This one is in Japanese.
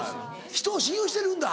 ひとを信用してるんだ。